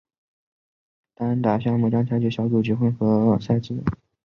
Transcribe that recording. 单打项目将采用小组及淘汰混合赛制。